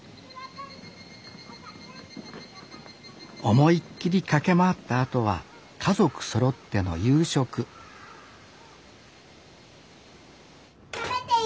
思いっ切り駆け回ったあとは家族そろっての夕食食べていい？